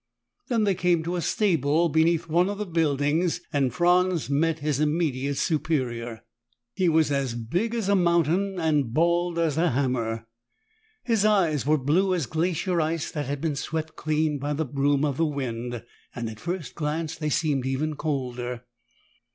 Then they came to a stable beneath one of the buildings and Franz met his immediate superior. He was big as a mountain and bald as a hammer. His eyes were blue as glacier ice that has been swept clean by the broom of the wind, and at first glance they seemed even colder.